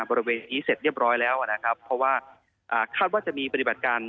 บริเวณนี้เสร็จเรียบร้อยแล้วนะครับเพราะว่าอ่าคาดว่าจะมีปฏิบัติการ